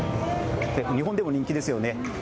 日本でも人気ですよね。